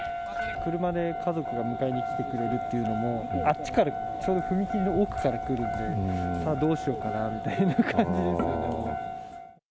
車で家族が迎えに来てくれるっていうのも、あっちから、ちょうど踏切の奥から来るので、どうしようかなみたいな感じですよね。